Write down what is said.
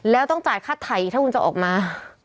แล้วต้องจ่ายค่าไถ่ถ้าคุณจะออกมา